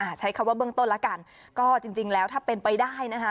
ใช้คำว่าเบื้องต้นแล้วกันก็จริงจริงแล้วถ้าเป็นไปได้นะคะ